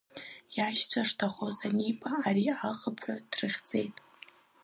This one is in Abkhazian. Иашьцәа шҭахоз аниба ари, аҟыԥҳәа дрыхьӡеит.